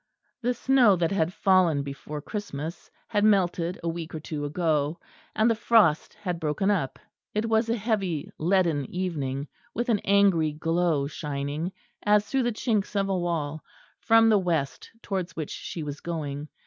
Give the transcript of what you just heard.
The snow that had fallen before Christmas, had melted a week or two ago; and the frost had broken up; it was a heavy leaden evening, with an angry glow shining, as through chinks of a wall, from the west towards which she was going.